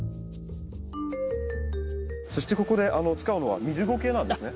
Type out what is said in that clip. そしてここで使うのは水ゴケなんですね。